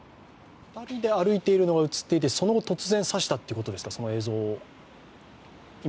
２人で歩いているのが映っていてその後、突然刺したということですか？